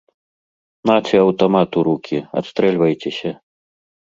Наце аўтамат у рукі, адстрэльвайцеся!